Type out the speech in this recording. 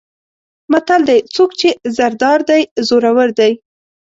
متل دی: څوک چې زر دار دی زورور دی.